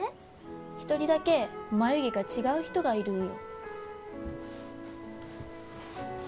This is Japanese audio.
一人だけ眉毛が違う人がいるんよ